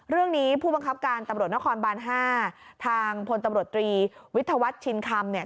ผู้บังคับการตำรวจนครบาน๕ทางพลตำรวจตรีวิทยาวัฒน์ชินคำเนี่ย